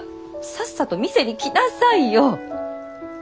さっさと見せに来なさいよ！